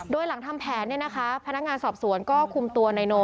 โดยหลังทำแผนพนักงานสอบสวนก็คุมตัวนายโน